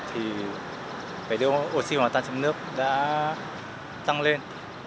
thì cái độ oxy hoạt tăng chấm nước đã tăng lên